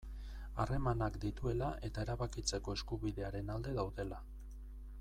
Harremanak dituela eta erabakitzeko eskubidearen alde daudela.